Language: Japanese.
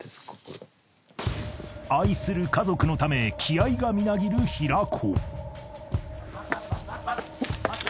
［愛する家族のため気合がみなぎる平子］